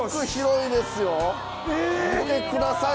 見てください